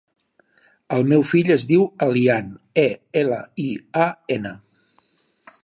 El meu fill es diu Elian: e, ela, i, a, ena.